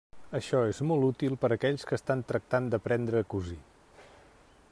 Això és molt útil per aquells que estan tractant d'aprendre a cosir.